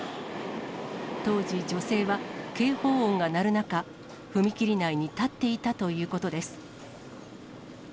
当時、女性は警報音が鳴る中、踏切内に立っていたということです。